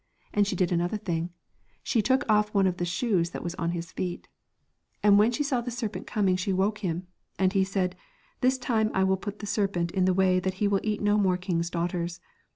And she did another thing, she took off one of the shoes that was on his feet. And when she saw the serpent coming 221 The she woke him, and he said, ' This time I Twilight, will put the serpent in a way that he will eat no more king's daughters.'